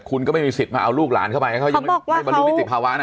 คุณก็ไม่มีสิทธิ์มาเอาลูกหลานเข้าไปเขายังไม่บรรลุนิติภาวะนะ